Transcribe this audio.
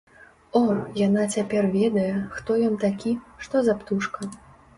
О, яна цяпер ведае, хто ён такі, што за птушка!